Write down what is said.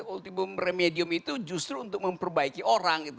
ultimum remedium itu justru untuk memperbaiki orang gitu